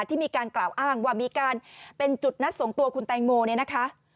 ที่มีการกล่าวอ้างว่ามีการเป็นจุดนัดส่งตัวคุณแตงโมเนี่ยนะคะ